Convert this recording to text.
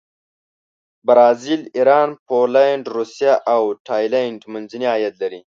برازیل، ایران، پولینډ، روسیه او تایلنډ منځني عاید لري.